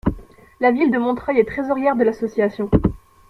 La ville de Montreuil est trésorière de l'association.